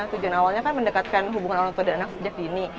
tujuan awalnya kan mendekatkan hubungan orang tua dan anak sejak dini